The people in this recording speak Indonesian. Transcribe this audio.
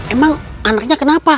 emang anaknya kenapa